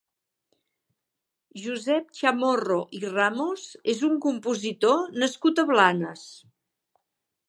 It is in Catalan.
Josep Chamorro i Ramos és un compositor nascut a Blanes.